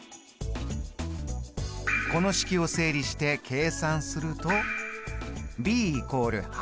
この式を整理して計算するとｂ＝８。